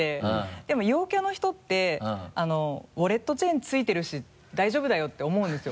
でも陽キャの人って「ウォレットチェーン付いてるし大丈夫だよ」って思うんですよ。